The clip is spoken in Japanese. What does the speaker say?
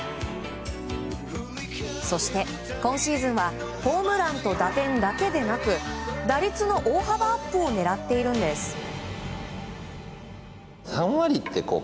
そして、今シーズンはホームランと打点だけでなく打率の大幅アップを狙っているんです。